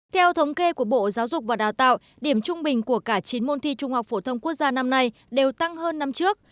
theo thống kê của bộ giáo dục và đào tạo điểm trung bình của cả chín môn thi trung học phổ thông quốc gia năm nay đều tăng hơn năm trước